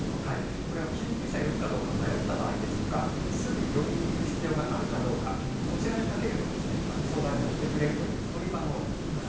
これは救急車を呼ぶかどうか迷った場合ですとか、すぐに病院に行く必要があるかどうか、こちらにかけるとですね、相談に乗ってくれるという、そういう番号になっています。